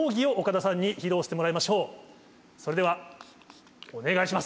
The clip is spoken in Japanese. それではお願いします。